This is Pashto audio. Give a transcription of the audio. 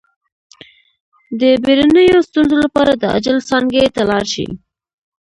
د بیړنیو ستونزو لپاره د عاجل څانګې ته لاړ شئ